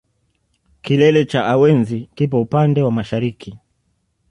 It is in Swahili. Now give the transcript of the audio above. Kilele cha awenzi kipo upande wa mashariki